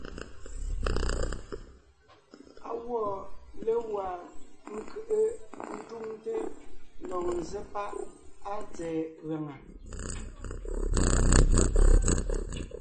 Á gwɔ́ légwá ńkʉ́ʼʉ ńtúŋte ńdɔg ńzsé páʼ áa tsɛ̀ɛ gaŋá.